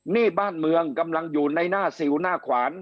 นี่บ้านเมืองกำลังอยู่ในหน้าสิวหน้าขวาน